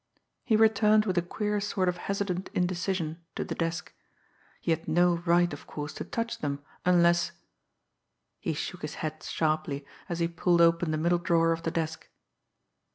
He returned with a queer sort of hesitant indecision to the desk. He had no right of course to touch them unless He shook his head sharply, as he pulled open the middle drawer of the desk.